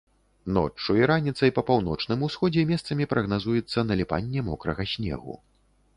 Ноччу і раніцай па паўночным усходзе месцамі прагназуецца наліпанне мокрага снегу.